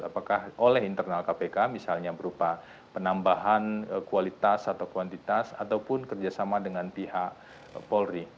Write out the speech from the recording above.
apakah oleh internal kpk misalnya berupa penambahan kualitas atau kuantitas ataupun kerjasama dengan pihak polri